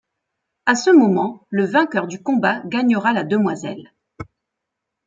À ce moment, le vainqueur du combat gagnera la demoiselle.